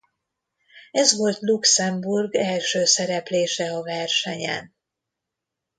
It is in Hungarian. Ez volt Luxemburg első szereplése a versenyen.